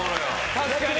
確かに。